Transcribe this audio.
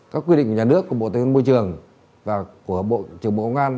các quy định của nhà nước của bộ tư vấn môi trường và của bộ trưởng bộ công an